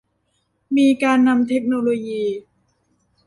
มีการนำเทคโนโลยี